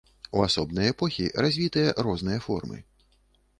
У асобныя эпохі развітыя розныя формы.